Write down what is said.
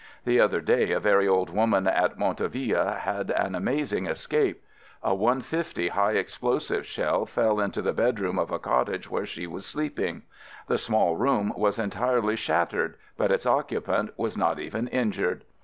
The other day a very' old woman at Montauville had an amazing escape. A "150" high explosive shell fell into the bedroom of a cottage where she was sleeping. The small room was entirely shattered, but its occupant was not even injured!